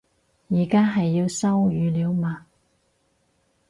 而家係要收語料嘛